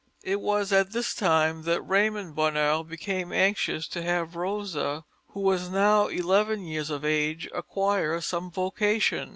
It was at this time that Raymond Bonheur became anxious to have Rosa, who was now eleven years of age, acquire some vocation.